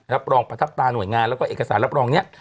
รับรองประทับตาหน่วยงานแล้วก็เอกสารรับรองนี้